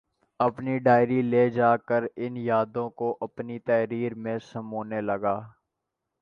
اپنی ڈائری لے جا کر ان یادوں کو اپنی تحریر میں سمونے لگا